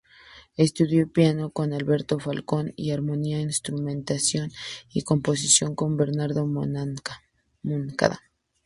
Estudió piano con Alberto Falcón, y armonía, instrumentación y composición con Bernardo Moncada.